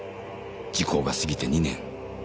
時効が過ぎて２年。